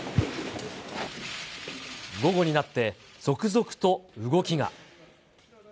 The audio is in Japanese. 午後になって続々と動きが。